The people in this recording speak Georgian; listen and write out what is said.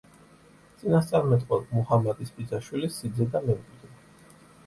წინასწარმეტყველ მუჰამადის ბიძაშვილი, სიძე და მემკვიდრე.